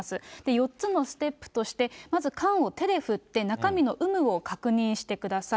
４つのステップとして、まず缶を手で振って、中身の有無を確認してください。